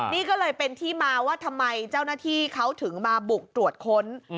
นี่ก็เลยเป็นที่มาว่าทำไมเจ้าหน้าที่เขาถึงมาบุกตรวจค้น